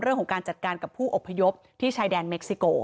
เรื่องของการจัดการกับผู้อบพยพที่ชายแดนเม็กซิโก